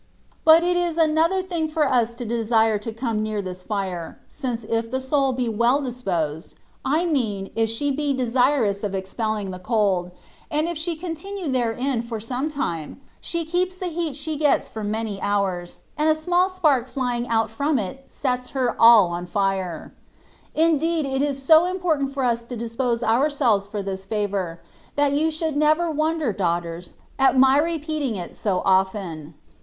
But it is another thing for us to desire to come near this fire ; since if the soul be well disposed, (I mean, if she be desirous of expelling the cold)^ N 178 THE WAY OF PERFECTION. and if she continue therein for some time^ she keeps the heat she gets for many hours^ and a smsJl spark flying out from it sets her all on fire. Indeed^ it is so important for us to dispose ourselves for this favour, that you should never wonder, daughters, at my repeating it so often.